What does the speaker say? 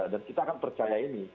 dan kita akan percaya ini